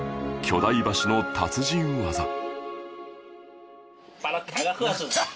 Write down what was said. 巨大箸の達人技